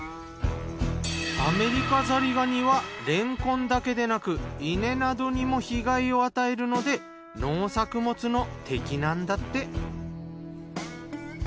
アメリカザリガニはれんこんだけでなく稲などにも被害を与えるので農作物の敵なんだって。